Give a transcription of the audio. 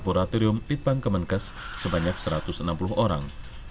premium lidbang kemenkes sebanyak satu ratus enam puluh orang